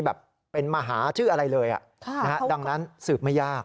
แบบเป็นมหาชื่ออะไรเลยดังนั้นสืบไม่ยาก